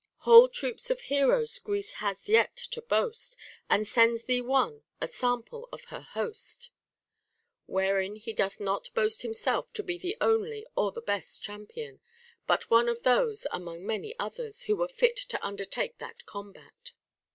78 HOW A YOUNG MAN OUGHT Whole troops of heroes Greece has yet to boast, And sends thee one, a sample of her host ; wherein he doth not boast himself to be the only or the best champion, but one of those, among many others, who were fit to undertake that combat.